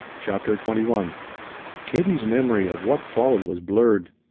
CHAPTER XXI Katie's memory of what followed was blurred.